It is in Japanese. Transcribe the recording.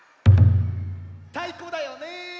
たいこだよね！